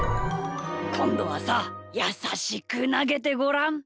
こんどはさやさしくなげてごらん。